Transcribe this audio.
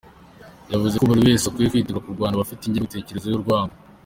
Yavuze ko buri wese akwiye kwitegura kurwanya abafite ingengabitekerezo y’urwango.